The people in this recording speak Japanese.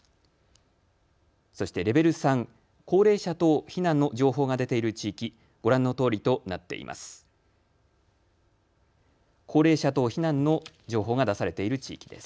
そしてレベル３、高齢者等避難の情報が出ている地域ご覧のとおりとなっています。